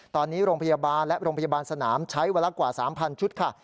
ตอนนี้โรงพยาบาลและโรงพยาบาลสนามใช้เวลากว่า๓๐๐ชุดค่ะ